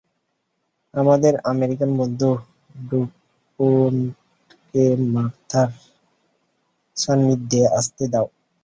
আমাদের আমেরিকান বন্ধু ডুপোন্টকে মার্থার সান্নিধ্যে আসতে দাও।